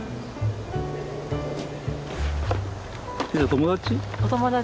友達？